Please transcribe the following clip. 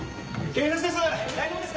・警察です！